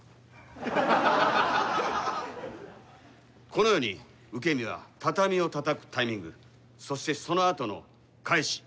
このように受け身は畳をたたくタイミングそしてそのあとの返し。